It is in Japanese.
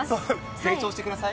成長してください。